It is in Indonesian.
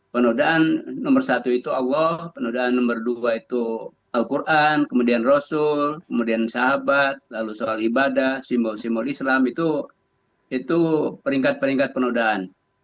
penodaan nomor satu itu allah penodaan nomor dua itu al quran kemudian rasul kemudian sahabat lalu soal ibadah simbol simbol islam itu peringkat peringkat penodaan